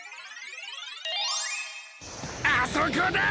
あそこだ！